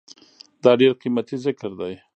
دا ډير قيمتي ذکر دی